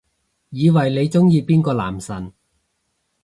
以為你鍾意邊個男神